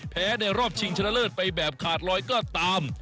ในรอบชิงชนะเลิศไปแบบขาดลอยก็ตาม